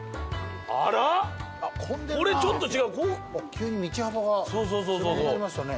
急に道幅が狭くなりましたね。